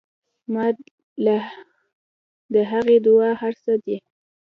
ما له د هغې دعا هر سه دي.